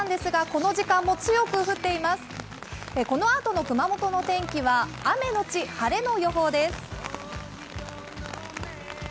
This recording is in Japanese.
このあとの熊本の天気は雨のち晴れの予報です。